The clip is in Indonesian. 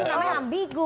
kalau yang ambigo